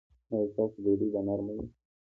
ایا ستاسو ډوډۍ به نرمه وي؟